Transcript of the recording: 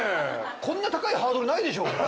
こんな高いハードルないでしょ。